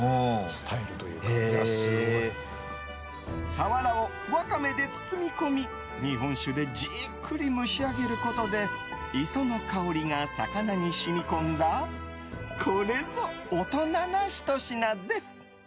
サワラを、ワカメで包み込み日本酒でじっくり蒸し上げることで磯の香りが魚に染み込んだこれぞ、大人なひと品です。